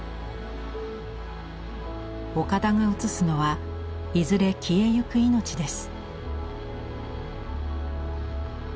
岡田が写すのはいずれ消えゆく命です。